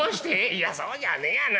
「いやそうじゃねえがな。